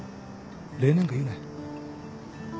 礼なんか言うな。